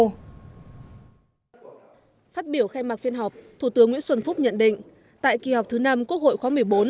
phát biểu khai mạc phiên họp thủ tướng nguyễn xuân phúc nhận định tại kỳ họp thứ năm quốc hội khóa một mươi bốn